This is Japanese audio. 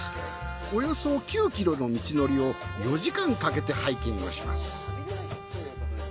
およそ９キロの道のりを４時間かけてハイキングします。